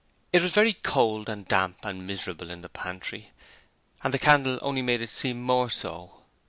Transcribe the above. It was very cold and damp and miserable in the pantry, and the candle only made it seem more so.